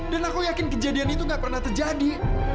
dan aku yakin kejadian itu gak pernah terjadi